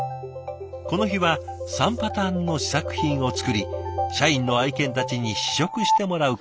この日は３パターンの試作品を作り社員の愛犬たちに試食してもらうことに。